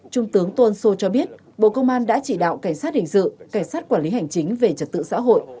trung tướng tôn sô cho biết bộ công an đã chỉ đạo cảnh sát hình sự cảnh sát quản lý hành chính về trật tự xã hội